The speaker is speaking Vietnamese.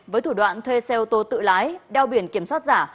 với thủ đoạn thuê xe ô tô tự lái đeo biển kiểm soát giả